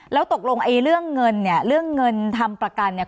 แล้วตกลงไอ้เรื่องเงินเนี่ยเรื่องเงินทำประกันเนี่ย